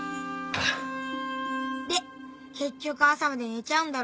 で結局朝まで寝ちゃうんだろ？